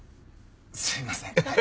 すいません。